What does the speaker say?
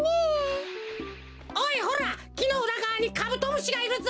おいほらきのうらがわにカブトムシがいるぞ！